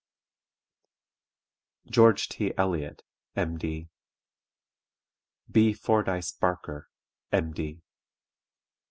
D. GEORGE T. ELLIOTT, M.D. B. FORDYCE BARKER, M.D.